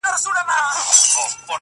ځيني يې لوړ هنر بولي تل